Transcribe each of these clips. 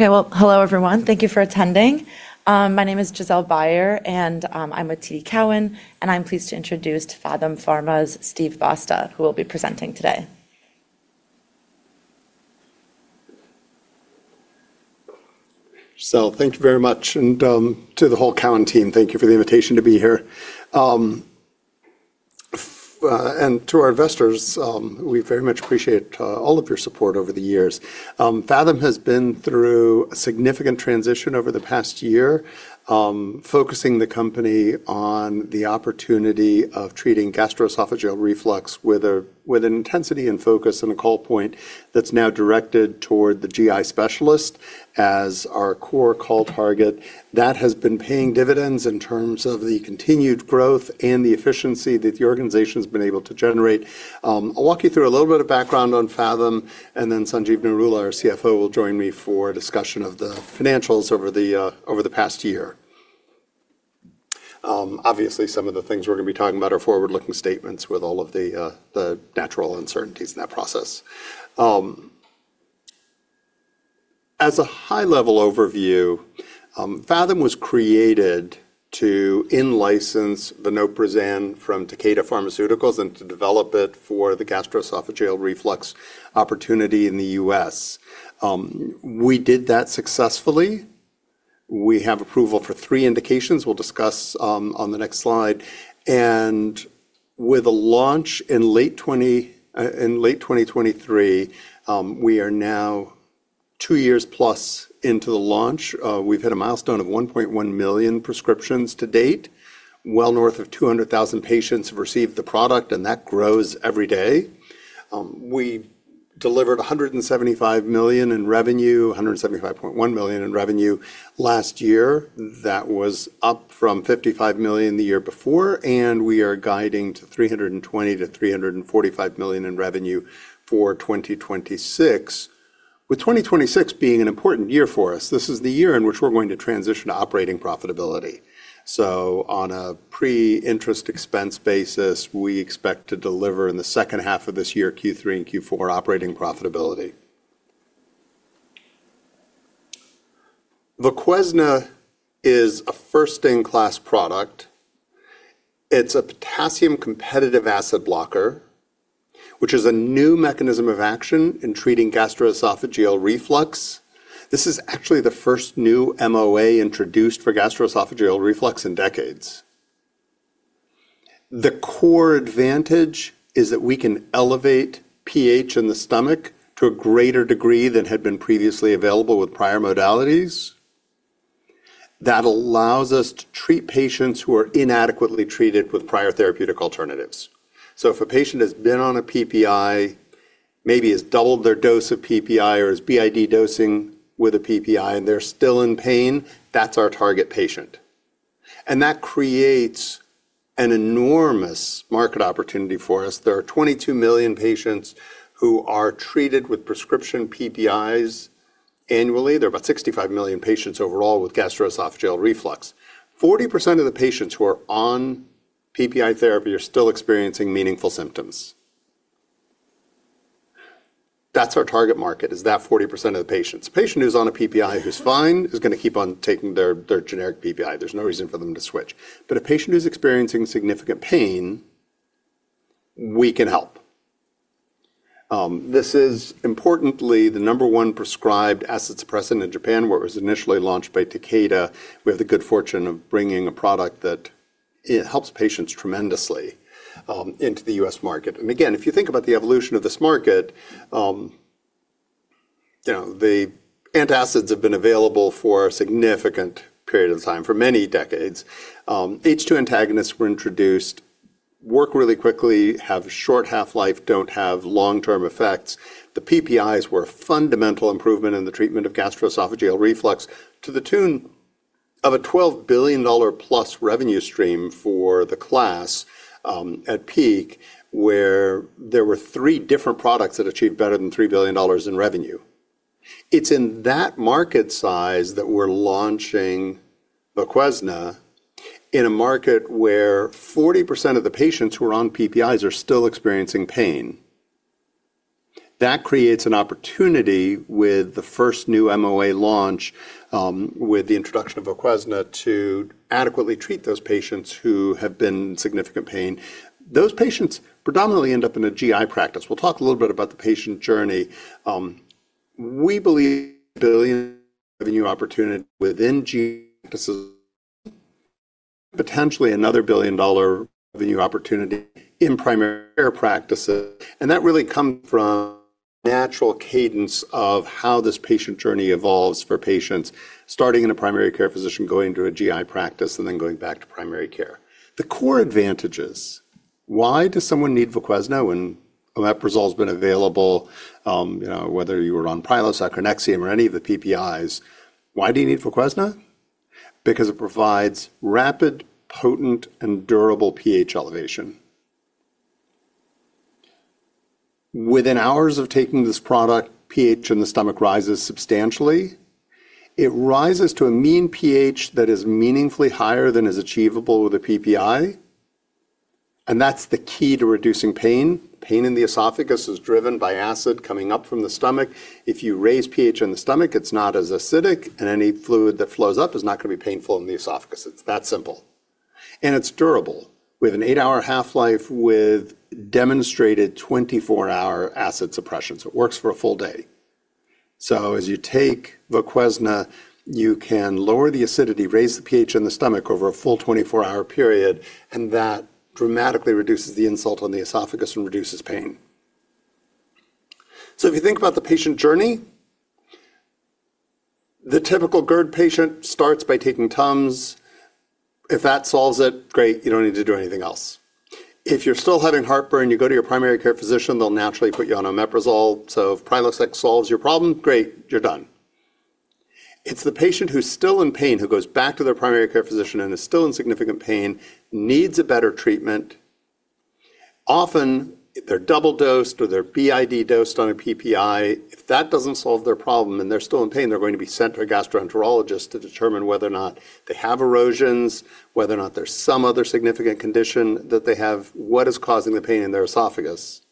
Okay. Well, hello everyone. Thank you for attending. My name is Giselle Byer, and I'm with TD Cowen, and I'm pleased to introduce Phathom Pharma's Steven Basta, who will be presenting today. Giselle, thank you very much. To the whole Cowen team, thank you for the invitation to be here. To our investors, we very much appreciate all of your support over the years. Phathom has been through a significant transition over the past year, focusing the company on the opportunity of treating gastroesophageal reflux with an intensity and focus and a call point that's now directed toward the GI specialist as our core call target. That has been paying dividends in terms of the continued growth and the efficiency that the organization's been able to generate. I'll walk you through a little bit of background on Phathom. Sanjeev Narula, our CFO, will join me for a discussion of the financials over the past year. Obviously, some of the things we're going to be talking about are forward-looking statements with all of the natural uncertainties in that process. As a high-level overview, Phathom was created to in-license vonoprazan from Takeda Pharmaceuticals and to develop it for the gastroesophageal reflux opportunity in the U.S. We did that successfully. We have approval for three indications we'll discuss on the next slide. With a launch in late 2023, we are now two years plus into the launch. We've hit a milestone of 1.1 million prescriptions to date. Well north of 200,000 patients have received the product, that grows every day. We delivered $175 million in revenue, $175.1 million in revenue last year. That was up from $55 million the year before, we are guiding to $320 million-$345 million in revenue for 2026. With 2026 being an important year for us. This is the year in which we're going to transition to operating profitability. On a pre-interest expense basis, we expect to deliver in the H2 of this year, Q3 and Q4, operating profitability. VOQUEZNA is a first-in-class product. It's a potassium-competitive acid blocker, which is a new mechanism of action in treating gastroesophageal reflux. This is actually the first new MOA introduced for gastroesophageal reflux in decades. The core advantage is that we can elevate pH in the stomach to a greater degree than had been previously available with prior modalities. That allows us to treat patients who are inadequately treated with prior therapeutic alternatives. If a patient has been on a PPI, maybe has doubled their dose of PPI or is BID dosing with a PPI, and they're still in pain, that's our target patient, and that creates an enormous market opportunity for us. There are 22 million patients who are treated with prescription PPIs annually. There are about 65 million patients overall with gastroesophageal reflux. 40% of the patients who are on PPI therapy are still experiencing meaningful symptoms. That's our target market, is that 40% of the patients. A patient who's on a PPI who's fine is gonna keep on taking their generic PPI. There's no reason for them to switch. A patient who's experiencing significant pain, we can help. This is importantly the number 1 prescribed acid suppressant in Japan, where it was initially launched by Takeda. We have the good fortune of bringing a product that helps patients tremendously into the U.S. market. Again, if you think about the evolution of this market, you know, the antacids have been available for a significant period of time, for many decades. H2 antagonists were introduced, work really quickly, have short half-life, don't have long-term effects. The PPIs were a fundamental improvement in the treatment of gastroesophageal reflux to the tune of a $12 billion-plus revenue stream for the class at peak, where there were 3 different products that achieved better than $3 billion in revenue. It's in that market size that we're launching VOQUEZNA in a market where 40% of the patients who are on PPIs are still experiencing pain. That creates an opportunity with the first new MOA launch, with the introduction of VOQUEZNA to adequately treat those patients who have been in significant pain. Those patients predominantly end up in a GI practice. We'll talk a little bit about the patient journey. We believe $1 billion revenue opportunity potentially another $1 billion-dollar revenue opportunity in primary care practices. That really comes from natural cadence of how this patient journey evolves for patients starting in a primary care physician, going to a GI practice, and then going back to primary care. The core advantages, why does someone need VOQUEZNA when omeprazole's been available, you know, whether you were on Prilosec or Nexium or any of the PPIs? Why do you need VOQUEZNA? Because it provides rapid, potent, and durable pH elevation. Within hours of taking this product, pH in the stomach rises substantially. It rises to a mean pH that is meaningfully higher than is achievable with a PPI. That's the key to reducing pain. Pain in the esophagus is driven by acid coming up from the stomach. If you raise pH in the stomach, it's not as acidic, and any fluid that flows up is not going to be painful in the esophagus. It's that simple. It's durable. We have an eight-hour half-life with demonstrated 24-hour acid suppression, so it works for a full day. As you take VOQUEZNA, you can lower the acidity, raise the pH in the stomach over a full 24-hour period. That dramatically reduces the insult on the esophagus and reduces pain. If you think about the patient journey, the typical GERD patient starts by taking TUMS. If that solves it, great, you don't need to do anything else. If you're still having heartburn, you go to your primary care physician, they'll naturally put you on omeprazole. If Prilosec solves your problem, great, you're done. It's the patient who's still in pain, who goes back to their primary care physician and is still in significant pain, needs a better treatment. Often, they're double-dosed or they're BID-dosed on a PPI. If that doesn't solve their problem and they're still in pain, they're going to be sent to a gastroenterologist to determine whether or not they have erosions, whether or not there's some other significant condition that they have, what is causing the pain in their esophagus.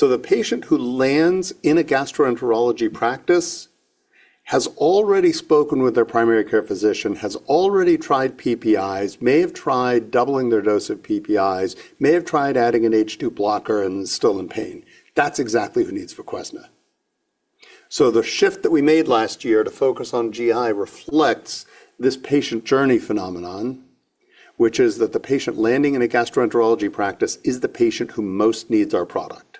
The patient who lands in a gastroenterology practice has already spoken with their primary care physician, has already tried PPIs, may have tried doubling their dose of PPIs, may have tried adding an H2 blocker and is still in pain. That's exactly who needs VOQUEZNA. The shift that we made last year to focus on GI reflects this patient journey phenomenon, which is that the patient landing in a gastroenterology practice is the patient who most needs our product.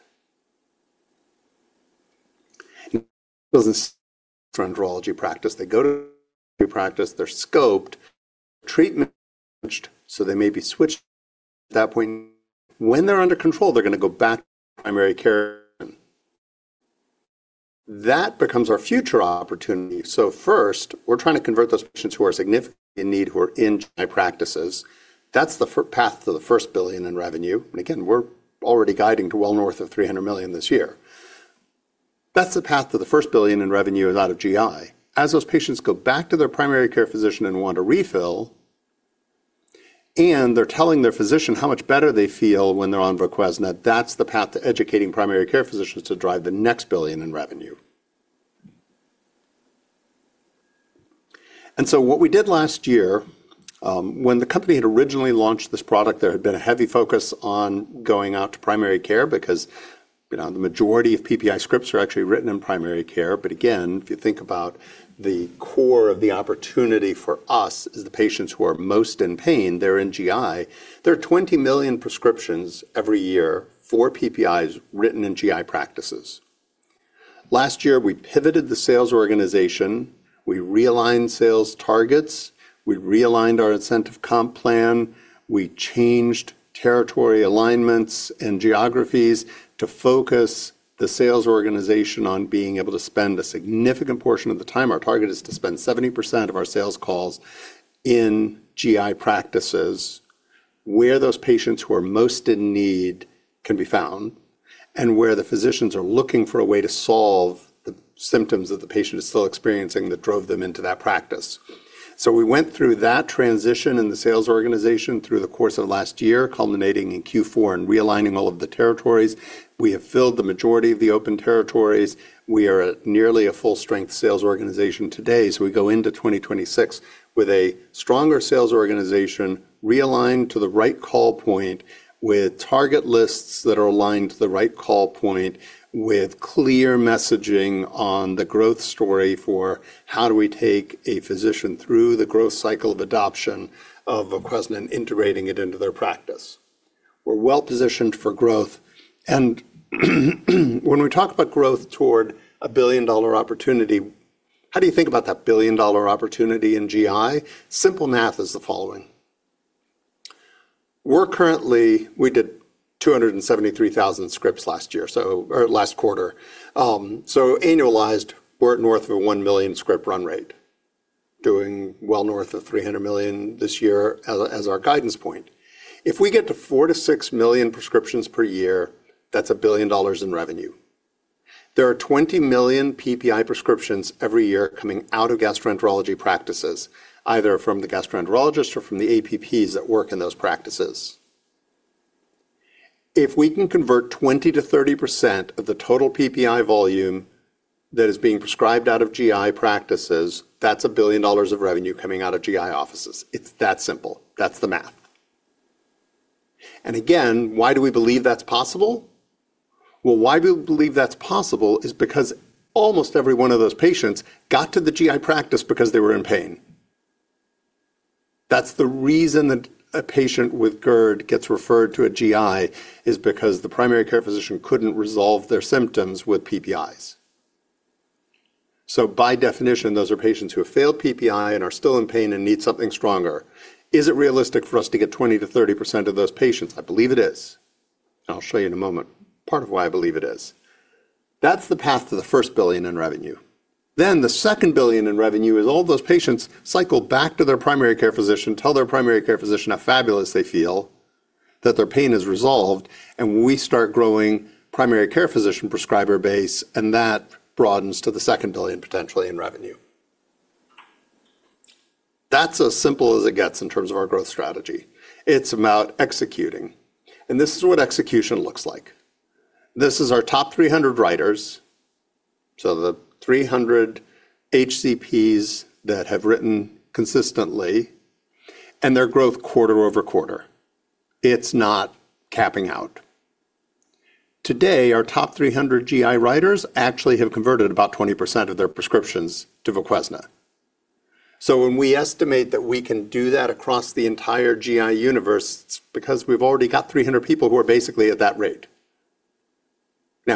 They go to practice, they're scoped, treatment managed, so they may be switched. At that point, when they're under control, they're going to go back to primary care. That becomes our future opportunity. First, we're trying to convert those patients who are significantly in need, who are in GI practices. That's the path to the $1 billion in revenue. Again, we're already guiding to well north of $300 million this year. That's the path to the $1 billion in revenue is out of GI. As those patients go back to their primary care physician and want a refill, and they're telling their physician how much better they feel when they're on VOQUEZNA, that's the path to educating primary care physicians to drive the next $1 billion in revenue. What we did last year, when the company had originally launched this product, there had been a heavy focus on going out to primary care because, you know, the majority of PPI scripts are actually written in primary care. Again, if you think about the core of the opportunity for us is the patients who are most in pain, they're in GI. There are 20 million prescriptions every year for PPIs written in GI practices. Last year, we pivoted the sales organization. We realigned sales targets. We realigned our incentive comp plan. We changed territory alignments and geographies to focus the sales organization on being able to spend a significant portion of the time. Our target is to spend 70% of our sales calls in GI practices where those patients who are most in need can be found, and where the physicians are looking for a way to solve the symptoms that the patient is still experiencing that drove them into that practice. We went through that transition in the sales organization through the course of last year, culminating in Q4 and realigning all of the territories. We have filled the majority of the open territories. We are at nearly a full-strength sales organization today. We go into 2026 with a stronger sales organization realigned to the right call point with target lists that are aligned to the right call point with clear messaging on the growth story for how do we take a physician through the growth cycle of adoption of VOQUEZNA integrating it into their practice. We're well-positioned for growth. When we talk about growth toward a billion-dollar opportunity, how do you think about that billion-dollar opportunity in GI? Simple math is the following. We did 273,000 scripts last year, so, or last quarter. So annualized, we're at north of a 1 million script run rate, doing well north of $300 million this year as our guidance point. If we get to 4-6 million prescriptions per year, that's $1 billion in revenue. There are 20 million PPI prescriptions every year coming out of gastroenterology practices, either from the gastroenterologist or from the APPs that work in those practices. If we can convert 20%-30% of the total PPI volume that is being prescribed out of GI practices, that's $1 billion of revenue coming out of GI offices. It's that simple. That's the math. Again, why do we believe that's possible? Well, why do we believe that's possible is because almost every one of those patients got to the GI practice because they were in pain. That's the reason that a patient with GERD gets referred to a GI is because the primary care physician couldn't resolve their symptoms with PPIs. By definition, those are patients who have failed PPI and are still in pain and need something stronger. Is it realistic for us to get 20%-30% of those patients? I believe it is. I'll show you in a moment part of why I believe it is. That's the path to the $1 billion in revenue. The $2 billion in revenue is all those patients cycle back to their primary care physician, tell their primary care physician how fabulous they feel that their pain is resolved, and we start growing primary care physician prescriber base, and that broadens to the $2 billion potentially in revenue. That's as simple as it gets in terms of our growth strategy. It's about executing, and this is what execution looks like. This is our top 300 writers, so the 300 HCPs that have written consistently and their growth quarter-over-quarter, it's not capping out. Today, our top 300 GI writers actually have converted about 20% of their prescriptions to VOQUEZNA. When we estimate that we can do that across the entire GI universe, it's because we've already got 300 people who are basically at that rate.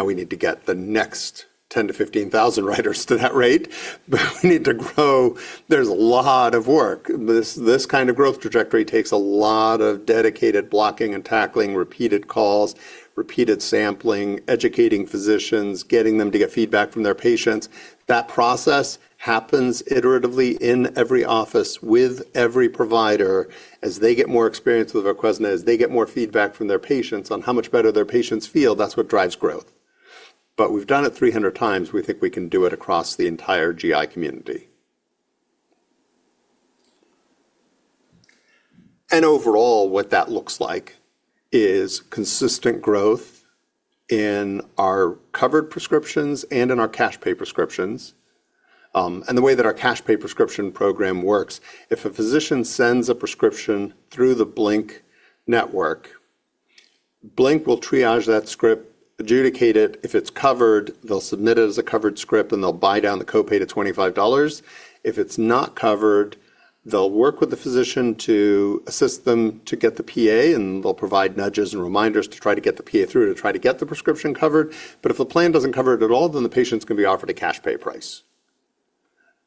We need to get the next 10,000-15,000 writers to that rate, but we need to grow. There's a lot of work. This kind of growth trajectory takes a lot of dedicated blocking and tackling, repeated calls, repeated sampling, educating physicians, getting them to get feedback from their patients. That process happens iteratively in every office with every provider. As they get more experience with VOQUEZNA, as they get more feedback from their patients on how much better their patients feel, that's what drives growth. We've done it 300 times. We think we can do it across the entire GI community. Overall, what that looks like is consistent growth in our covered prescriptions and in our cash pay prescriptions. The way that our cash pay prescription program works, if a physician sends a prescription through the Blink network, Blink will triage that script, adjudicate it. If it's covered, they'll submit it as a covered script, and they'll buy down the copay to $25. If it's not covered, they'll work with the physician to assist them to get the PA, and they'll provide nudges and reminders to try to get the PA through to try to get the prescription covered. If the plan doesn't cover it at all, then the patient's gonna be offered a cash pay price.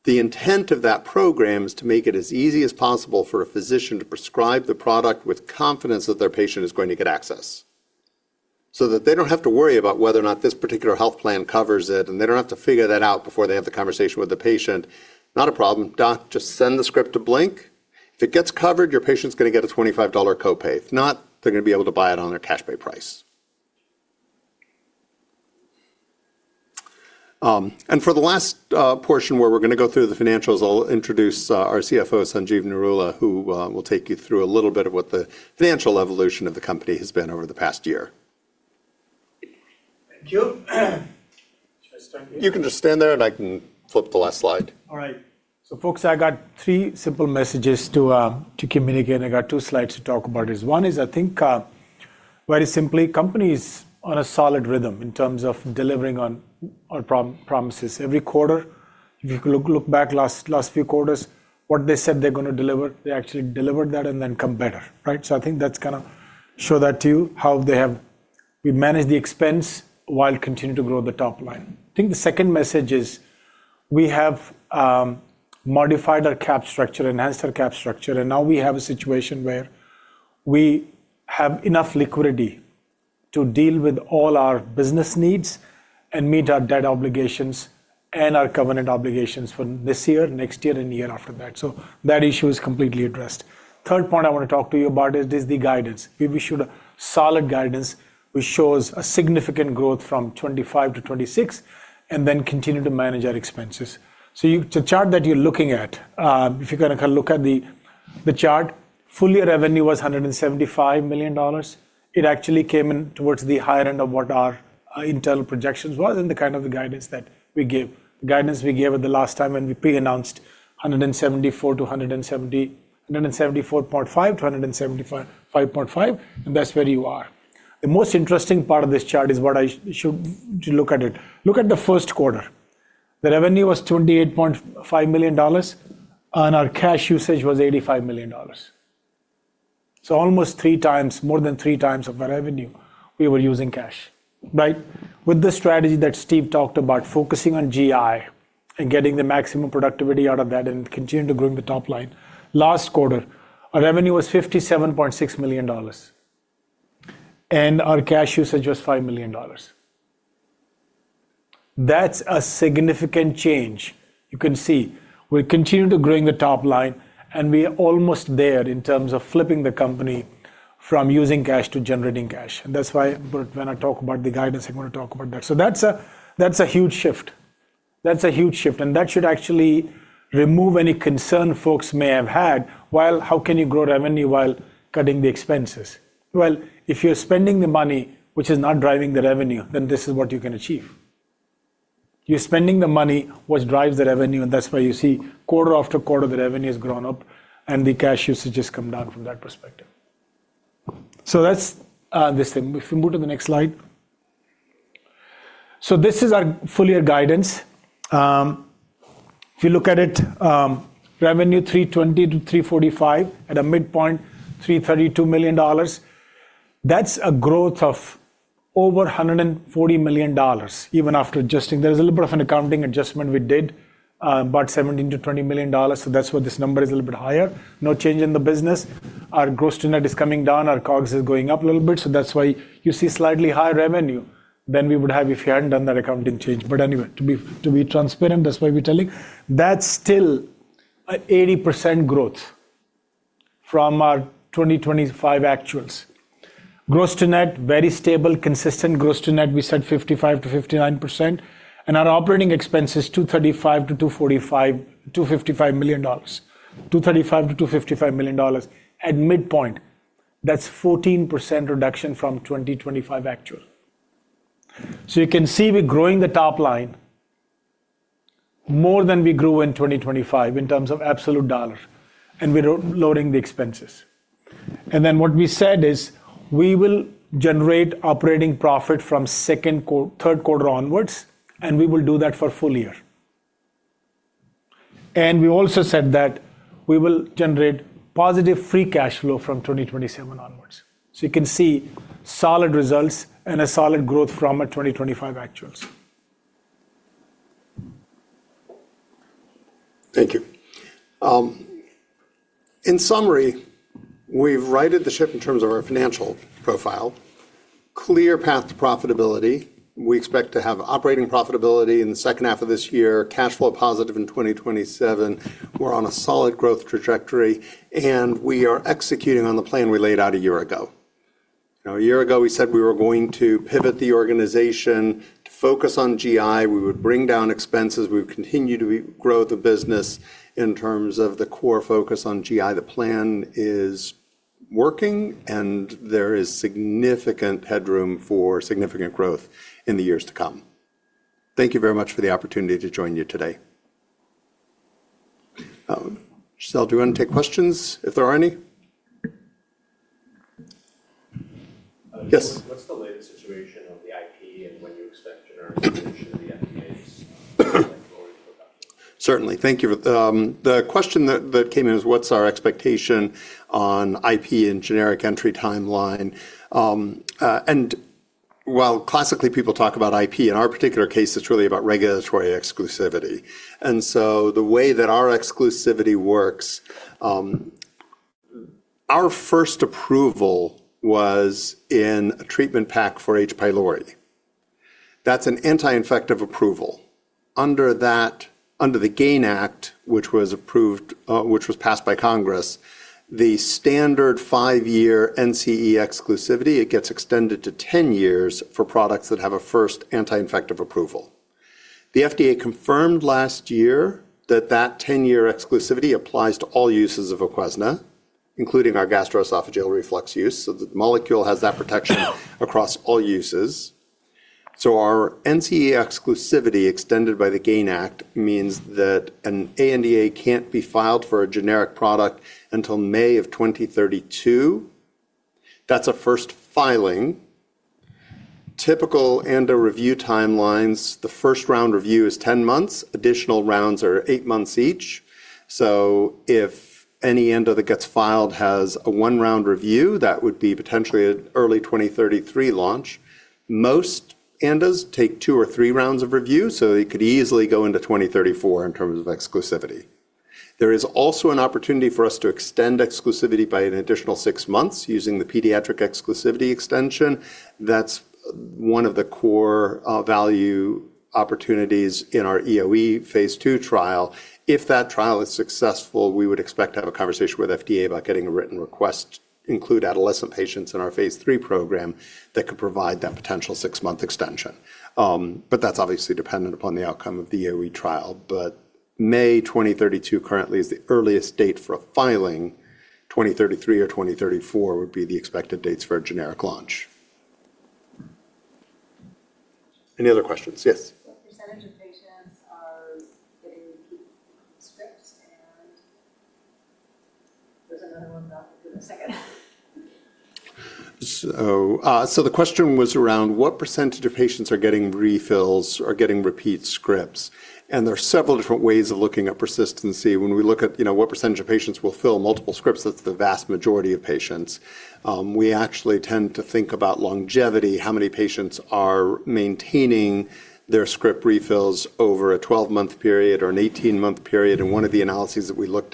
The intent of that program is to make it as easy as possible for a physician to prescribe the product with confidence that their patient is going to get access, so that they don't have to worry about whether or not this particular health plan covers it, and they don't have to figure that out before they have the conversation with the patient. Not a problem. Doc, just send the script to Blink Health. If it gets covered, your patient's gonna get a $25 copay. If not, they're gonna be able to buy it on a cash pay price. For the last portion where we're gonna go through the financials, I'll introduce our CFO, Sanjeev Narula, who will take you through a little bit of what the financial evolution of the company has been over the past year. Thank you. Should I stand here? You can just stand there, and I can flip the last slide. All right. Folks, I got three simple messages to communicate, and I got two slides to talk about this. One is I think, very simply, company is on a solid rhythm in terms of delivering on promises. Every quarter, if you look back last few quarters, what they said they're gonna deliver, they actually delivered that and then come better, right? I think that's gonna show that to you. We managed the expense while continuing to grow the top line. I think the second message is, we have modified our cap structure, enhanced our cap structure, and now we have a situation where we have enough liquidity to deal with all our business needs and meet our debt obligations and our covenant obligations for this year, next year, and the year after that. That issue is completely addressed. Third point I wanna talk to you about is the guidance. We've issued a solid guidance which shows a significant growth from 2025-2026 and then continue to manage our expenses. The chart that you're looking at, if you're gonna look at the chart, full-year revenue was $175 million. It actually came in towards the higher end of what our internal projections was and the kind of the guidance that we gave. The guidance we gave at the last time when we pre-announced $174.5 million-$175.5 million, that's where you are. The most interesting part of this chart is what I should Look at it. Look at the first quarter. The revenue was $28.5 million, and our cash usage was $85 million. almost 3 times, more than 3 times of the revenue, we were using cash, right? With the strategy that Steve talked about, focusing on GI and getting the maximum productivity out of that and continuing to growing the top line. Last quarter, our revenue was $57.6 million, and our cash usage was $5 million. That's a significant change. You can see we're continuing to growing the top line, and we're almost there in terms of flipping the company from using cash to generating cash. That's why when I talk about the guidance, I wanna talk about that. That's a huge shift. That's a huge shift, and that should actually remove any concern folks may have had. Well, how can you grow revenue while cutting the expenses? Well, if you're spending the money which is not driving the revenue, then this is what you can achieve. That's why you see quarter after quarter, the revenue has grown up and the cash usage has come down from that perspective. Let's this thing. If we move to the next slide. This is our full-year guidance. If you look at it, revenue $320-$345 at a midpoint, $332 million. That's a growth of over $140 million even after adjusting. There's a little bit of an accounting adjustment we did, about $17 million-$20 million, that's why this number is a little bit higher. No change in the business. Our gross to net is coming down, our COGS is going up a little bit. That's why you see slightly higher revenue than we would have if we hadn't done that accounting change. Anyway, to be transparent, that's why we're telling. That's still an 80% growth. From our 2025 actuals. Gross to net, very stable, consistent gross to net, we said 55%-59%. Our operating expense is $235 million-$255 million. $235 million-$255 million. At midpoint, that's 14% reduction from 2025 actual. You can see we're growing the top line more than we grew in 2025 in terms of absolute dollar, and we're loading the expenses. What we said is we will generate operating profit from third quarter onwards, and we will do that for full year. We also said that we will generate positive free cash flow from 2027 onwards. You can see solid results and a solid growth from our 2025 actuals. Thank you. In summary, we've righted the ship in terms of our financial profile. Clear path to profitability. We expect to have operating profitability in the H2 of this year, cash flow positive in 2027. We're on a solid growth trajectory, and we are executing on the plan we laid out a year ago. You know, a year ago, we said we were going to pivot the organization to focus on GI. We would bring down expenses. We would continue to grow the business in terms of the core focus on GI. The plan is working, and there is significant headroom for significant growth in the years to come. Thank you very much for the opportunity to join you today. Michelle, do you want to take questions if there are any? Yes. What's the latest situation of the IP and when do you expect generation of the NDAs going forward for that? Certainly. Thank you. The question that came in is what's our expectation on IP and generic entry timeline. While classically people talk about IP, in our particular case it's really about regulatory exclusivity. The way that our exclusivity works, our first approval was in a treatment pack for H. pylori. That's an anti-infective approval. Under the GAIN Act, which was approved, which was passed by Congress, the standard 5-year NCE exclusivity, it gets extended to 10 years for products that have a first anti-infective approval. The FDA confirmed last year that that 10-year exclusivity applies to all uses of VOQUEZNA, including our gastroesophageal reflux use, the molecule has that protection across all uses. Our NCE exclusivity extended by the GAIN Act means that an ANDA can't be filed for a generic product until May of 2032. That's a first filing. Typical ANDA review timelines, the first round review is 10 months. Additional rounds are 8 months each. If any ANDA that gets filed has a 1-round review, that would be potentially an early 2033 launch. Most ANDAs take 2 or 3 rounds of review, so it could easily go into 2034 in terms of exclusivity. There is also an opportunity for us to extend exclusivity by an additional 6 months using the pediatric exclusivity extension. That's one of the core value opportunities in our EoE phase II trial. If that trial is successful, we would expect to have a conversation with FDA about getting a written request to include adolescent patients in our phase III program that could provide that potential 6-month extension. That's obviously dependent upon the outcome of the EoE trial. May 2032 currently is the earliest date for a filing. 2033 or 2034 would be the expected dates for a generic launch. Any other questions? Yes. What % of patients are getting repeat scripts? There's another one about in a second. The question was around what % of patients are getting refills or getting repeat scripts. There are several different ways of looking at persistency. When we look at, you know, what % of patients will fill multiple scripts, that's the vast majority of patients. We actually tend to think about longevity, how many patients are maintaining their script refills over a 12-month period or an 18-month period. One of the analyses that we looked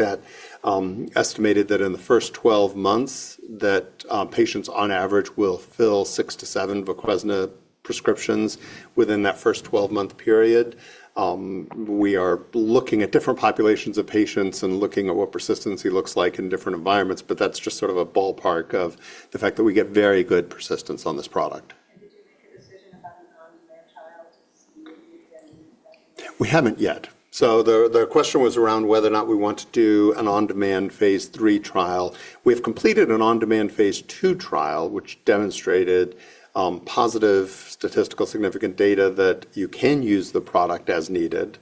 at, estimated that in the first 12 months that patients on average will fill 6-7 VOQUEZNA prescriptions within that first 12-month period. We are looking at different populations of patients and looking at what persistency looks like in different environments, but that's just sort of a ballpark of the fact that we get very good persistence on this product. Did you make a decision about an on-demand trial to see if you get any of that? We haven't yet. The question was around whether or not we want to do an on-demand phase III trial. We've completed an on-demand phase II trial, which demonstrated, positive statistical significant data that you can use the product as needed.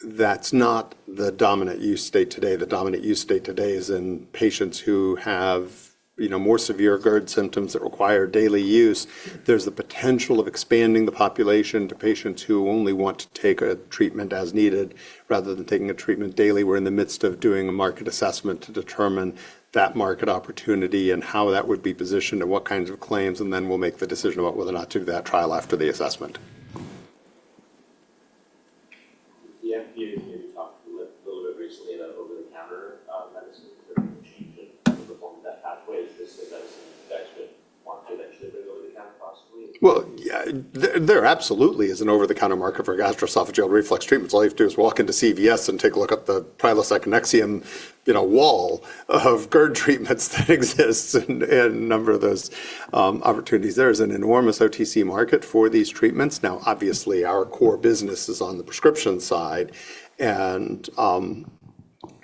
That's not the dominant use state today. The dominant use state today is in patients who have, you know, more severe GERD symptoms that require daily use. There's the potential of expanding the population to patients who only want to take a treatment as needed rather than taking a treatment daily. We're in the midst of doing a market assessment to determine that market opportunity and how that would be positioned and what kinds of claims, and then we'll make the decision about whether or not to do that trial after the assessment. The FDA maybe talked a little bit recently about over-the-counter medicines. Well, yeah, there absolutely is an over-the-counter market for gastroesophageal reflux treatments. All you have to do is walk into CVS and take a look up the Prilosec and Nexium, you know, wall of GERD treatments that exists. A number of those opportunities. There is an enormous OTC market for these treatments. Obviously, our core business is on the prescription side, and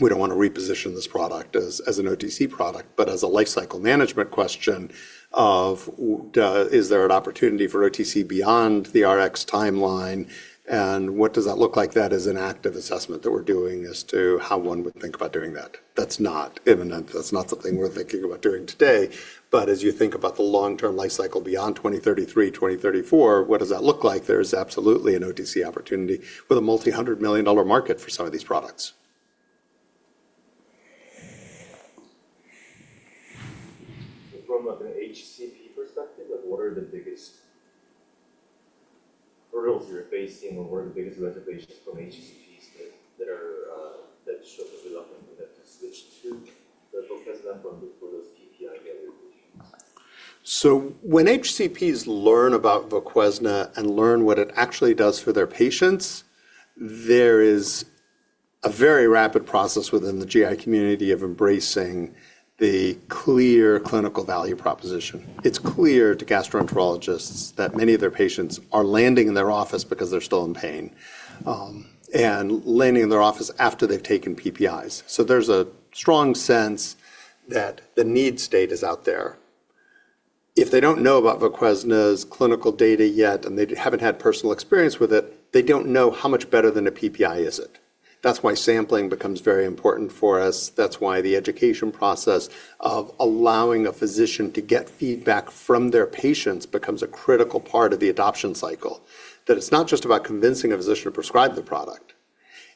we don't wanna reposition this product as an OTC product. As a lifecycle management question of is there an opportunity for OTC beyond the Rx timeline, and what does that look like? That is an active assessment that we're doing as to how one would think about doing that. That's not imminent. That's not something we're thinking about doing today. As you think about the long-term lifecycle beyond 2033, 2034, what does that look like? There's absolutely an OTC opportunity with a multi-hundred million dollar market for some of these products. From, like, an HCP perspective, like, what are the biggest hurdles you're facing or what are the biggest reservations from HCPs that are that show the reluctance for them to switch to the VOQUEZNA from the previous PPI medications? When HCPs learn about VOQUEZNA and learn what it actually does for their patients, there is a very rapid process within the GI community of embracing the clear clinical value proposition. It's clear to gastroenterologists that many of their patients are landing in their office because they're still in pain, and landing in their office after they've taken PPIs. There's a strong sense that the need state is out there. If they don't know about VOQUEZNA's clinical data yet, and they haven't had personal experience with it, they don't know how much better than a PPI is it. Sampling becomes very important for us. The education process of allowing a physician to get feedback from their patients becomes a critical part of the adoption cycle. It's not just about convincing a physician to prescribe the product.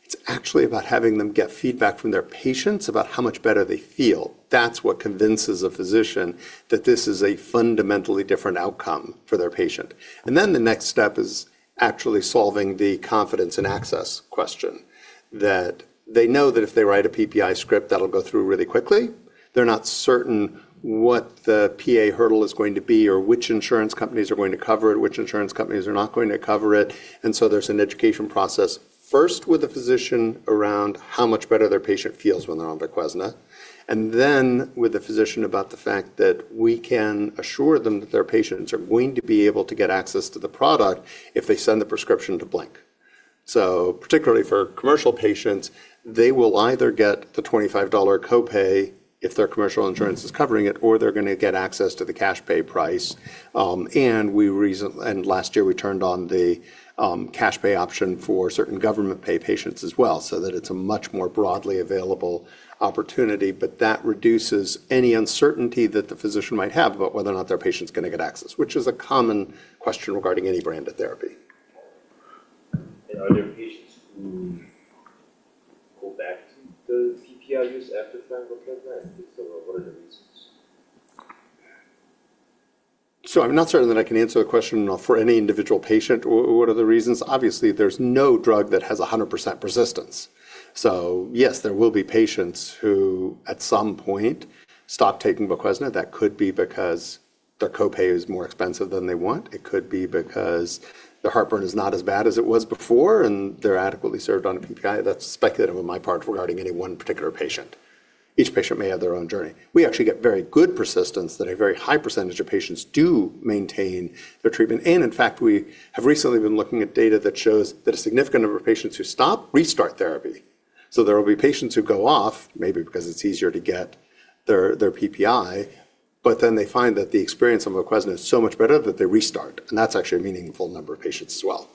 It's actually about having them get feedback from their patients about how much better they feel. That's what convinces a physician that this is a fundamentally different outcome for their patient. The next step is actually solving the confidence and access question. That they know that if they write a PPI script, that'll go through really quickly. They're not certain what the PA hurdle is going to be or which insurance companies are going to cover it, which insurance companies are not going to cover it. There's an education process, first with the physician around how much better their patient feels when they're on VOQUEZNA, then with the physician about the fact that we can assure them that their patients are going to be able to get access to the product if they send the prescription to BlinkRx. Particularly for commercial patients, they will either get the $25 copay if their commercial insurance is covering it, or they're gonna get access to the cash pay price. Last year, we turned on the cash pay option for certain government pay patients as well, so that it's a much more broadly available opportunity. That reduces any uncertainty that the physician might have about whether or not their patient's gonna get access, which is a common question regarding any branded therapy. Are there patients who go back to the PPI use after trying VOQUEZNA? If so, what are the reasons? I'm not certain that I can answer the question for any individual patient or what are the reasons. Obviously, there's no drug that has 100% persistence. Yes, there will be patients who, at some point, stop taking VOQUEZNA. That could be because their copay is more expensive than they want. It could be because their heartburn is not as bad as it was before, and they're adequately served on a PPI. That's speculative on my part regarding any one particular patient. Each patient may have their own journey. We actually get very good persistence that a very high % of patients do maintain their treatment. In fact, we have recently been looking at data that shows that a significant number of patients who stop restart therapy. There will be patients who go off, maybe because it's easier to get their PPI, but then they find that the experience on VOQUEZNA is so much better that they restart. That's actually a meaningful number of patients as well.